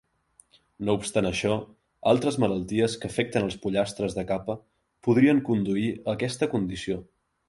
No obstant això, altres malalties que afecten els pollastres de capa podrien conduir a aquesta condició.